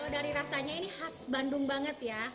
dari rasanya ini khas bandung banget ya